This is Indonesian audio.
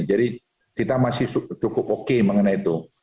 jadi kita masih cukup oke mengenai itu